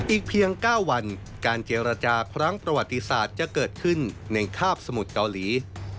อีกเพียง๙วันการเจรจาครั้งประวัติศาสตร์จะเกิดขึ้นในคาบสมุทรเกาหลี